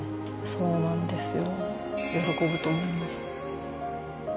そうなんですよ。